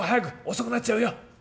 遅くなっちゃうよ」。